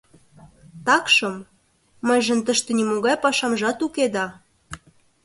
Такшым, мыйжын тыште нимогай пашамжат уке да.